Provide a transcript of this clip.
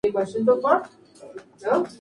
Cuando están a punto de tener sexo.